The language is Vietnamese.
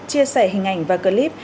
chia sẻ hình ảnh và clip